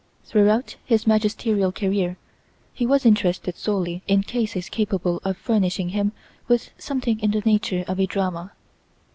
Throughout his magisterial career he was interested solely in cases capable of furnishing him with something in the nature of a drama.